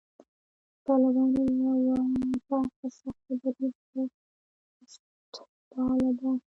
د طالبانو یوه برخه سخت دریځه او خشونتپاله ده